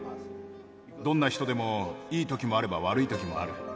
どんな人でもいいときもあれば、悪いときもある。